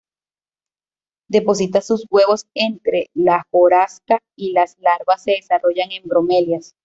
Deposita sus huevos entre la hojarasca y las larvas se desarrollan en bromelias.